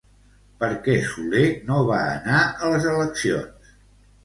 Per què Soler no va anar a les eleccions?